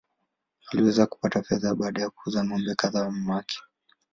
Aliweza kupata fedha baada ya kuuza ng’ombe kadhaa wa mamake.